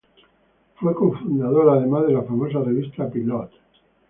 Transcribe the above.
Fue cofundador además de la famosa revista Pilote.